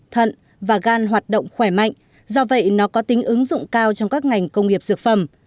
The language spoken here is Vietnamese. thận và gan hoạt động khỏe mạnh do vậy nó có tính ứng dụng cao trong các ngành công nghiệp dược phẩm